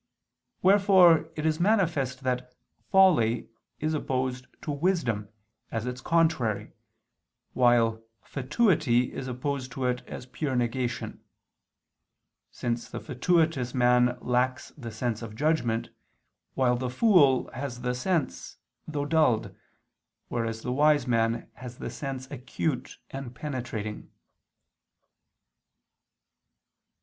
Wherefore it is manifest that folly is opposed to wisdom as its contrary, while fatuity is opposed to it as a pure negation: since the fatuous man lacks the sense of judgment, while the fool has the sense, though dulled, whereas the wise man has the sense acute and penetrating.